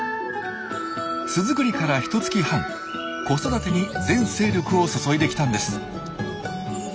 巣作りからひとつき半子育てに全精力を注いできたんです。